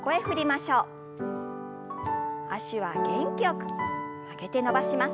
脚は元気よく曲げて伸ばします。